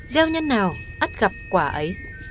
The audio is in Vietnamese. gieo nhân nào át gặp quả ấy